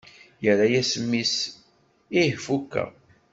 Yerra-as mmi-s: Ih fukeɣ!